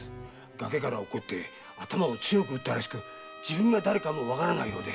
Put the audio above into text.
崖から落っこって頭を強く打ったらしく自分が誰かもわからないようで。